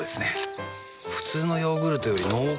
普通のヨーグルトより濃厚なので。